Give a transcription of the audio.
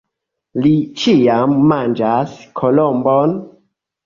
Li ĉiam manĝas kolombon?